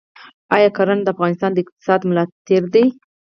آیا کرنه د افغانستان د اقتصاد ملا تیر دی؟